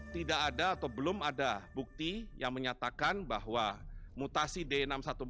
tidak ada atau belum ada bukti yang menyatakan bahwa mutasi d enam ratus empat belas g ini lebih ganas atau lebih berbahaya